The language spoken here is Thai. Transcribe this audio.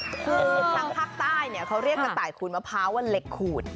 คือทางภาคใต้เขาเรียกกระต่ายขูดมะพร้าวว่าเหล็กขูด